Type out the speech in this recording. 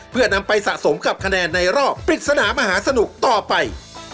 เพื่อนำไปสะสมกับคะแนนในรอบปริศนามหาสนุกต่อไป